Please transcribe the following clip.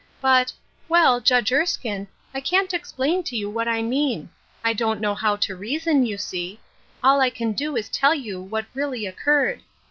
But — well, Judge Erskine, I can't explain to you what I mean. I don't know how to reason, 5'ou see. All I can do is to tell you what really Oijcurred.